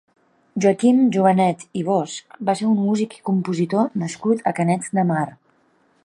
Joaquim Jovenet i Bosch va ser un músic i compositor nascut a Canet de Mar.